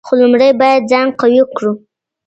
خو لومړی باید ځان قوي کړو.